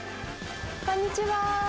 こんにちは。